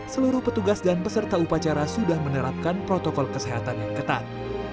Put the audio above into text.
seluruh petugas dan peserta upacara sudah menerapkan protokol kesehatan yang ketat